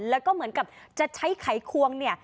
แล้วก็เหมือนกับจะใช้ไข้ควง